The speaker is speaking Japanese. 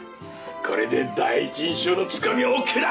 これで第一印象のつかみはオーケーだ！